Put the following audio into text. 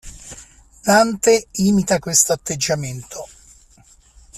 Dante imita questo atteggiamento.